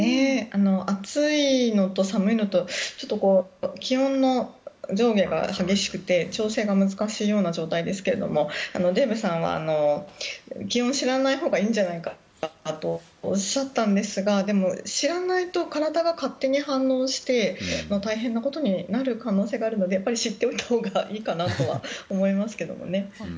暑いのと寒いのと気温の上下が激しくて調整が難しいような状態ですけれどもデーブさんは気温を知らないほうがいいんじゃないかとおっしゃったんですがでも、知らないと体が勝手に反応して大変なことになる可能性があるのでやっぱり知っておいたほうがいいかなとは思いますけどね。